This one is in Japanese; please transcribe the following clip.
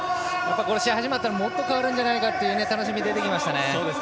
この試合始まったらもっと変わるんじゃないかという楽しみが出てきましたね。